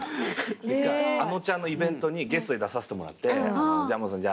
あのちゃんのイベントにゲストで出させてもらって「ジャンボさん